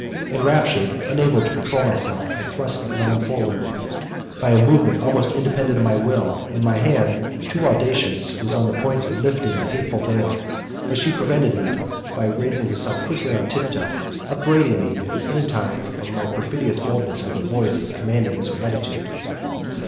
Enraptured, unable to control myself, I thrust my arm forward by a movement almost independent of my will, and my hand, too audacious, was on the point of lifting the hateful veil, but she prevented me by raising herself quickly on tiptoe, upbraiding me at the same time for my perfidious boldness, with a voice as commanding as her attitude.